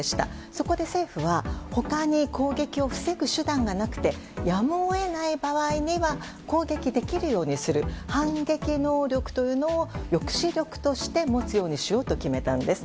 そこで政府は他に攻撃を防ぐ手段がなくてやむを得ない場合には攻撃できるようにする反撃能力というものを抑止力として持つようにしようと決めたんです。